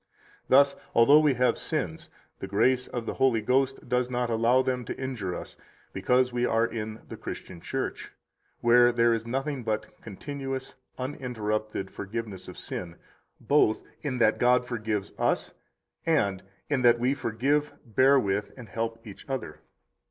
Thus, although we have sins, the [grace of the] Holy Ghost does not allow them to injure us, because we are in the Christian Church, where there is nothing but [continuous, uninterrupted] forgiveness of sin, both in that God forgives us, and in that we forgive, bear with, and help each other.